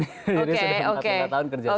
jadi sudah lima tahun kerja sosial